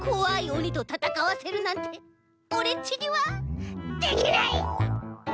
おにとたたかわせるなんてオレっちにはできない！